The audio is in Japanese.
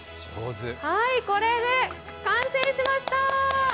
これで、完成しました！